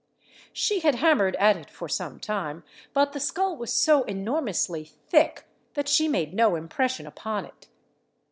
She had hammered at it for some time, but the skull was so enormously thick, that she made no impression upon it.